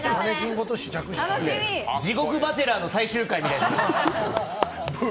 「地獄バチェラー」の最終回みたい。